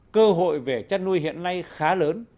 cơ hội về chăn nuôi hiện nay khá lớn